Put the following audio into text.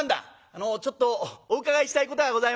「あのちょっとお伺いしたいことがございまして」。